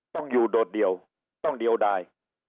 ต้องอยู่โดดเดี่ยวต้องเดียวได้